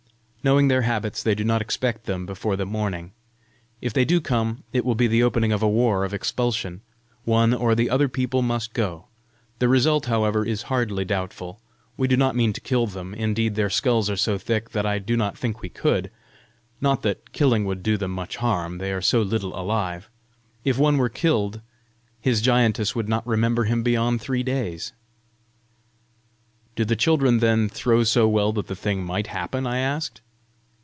Knowing their habits, they do not expect them before the morning. If they do come, it will be the opening of a war of expulsion: one or the other people must go. The result, however, is hardly doubtful. We do not mean to kill them; indeed, their skulls are so thick that I do not think we could! not that killing would do them much harm; they are so little alive! If one were killed, his giantess would not remember him beyond three days!" "Do the children then throw so well that the thing MIGHT happen?" I asked.